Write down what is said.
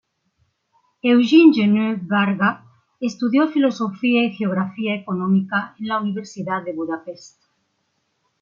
Eugen "Jenő" Varga estudió filosofía y geografía económica en la Universidad de Budapest.